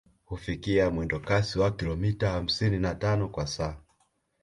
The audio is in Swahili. Hufikia mwendokasi wa kilometa hamsini na tano kwa saa